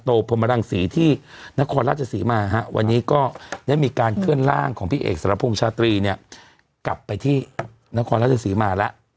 พรมรังศรีที่นครราชศรีมาฮะวันนี้ก็ได้มีการเคลื่อนร่างของพี่เอกสรพงษตรีเนี่ยกลับไปที่นครราชสีมาแล้ว